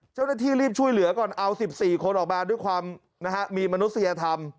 เจ้าหน้าที่รีบช่วยเหลือก่อนเอา๑๔คนออกมาด้วยความมีมนุษยธรรม